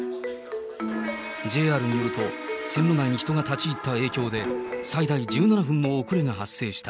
ＪＲによると、線路内に人が立ち入った影響で、最大１７分の遅れが発生した。